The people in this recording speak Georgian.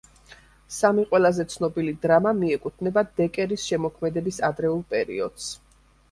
სამი ყველაზე ცნობილი დრამა მიეკუთვნება დეკერის შემოქმედების ადრეულ პერიოდს.